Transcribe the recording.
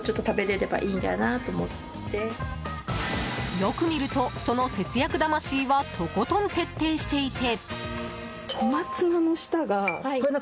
よく見ると、その節約魂はとことん徹底していて。